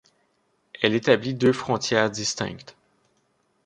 Elle établit deux frontières distinctes.